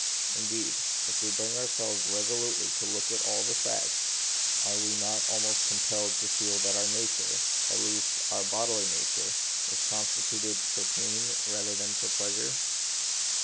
Indeed, if we bring ourselves resolutely to look at all the facts, are we not almost com pelled to feel that our nature — at least our bodily nature — is constituted rather for pain The Mystery of Pain, 2 7 than for pleasure